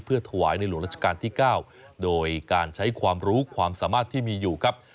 ถวายในหลวงราชการที่๙โดยการใช้ความรู้ความสามารถที่มีอยู่ครับ